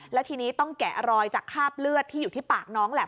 แล้วทีนี้ต้องแกะรอยจากคราบเลือดที่อยู่ที่ปากน้องแหละ